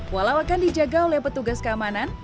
walau akan dijaga oleh petugas keamanan